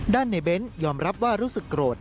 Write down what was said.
ในเบ้นยอมรับว่ารู้สึกโกรธ